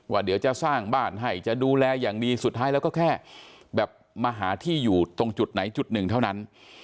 เดี๋ยวจะสร้างบ้านให้จะดูแลอย่างดีสุดท้ายแล้วก็แค่แบบมาหาที่อยู่ตรงจุดไหนจุดหนึ่งเท่านั้น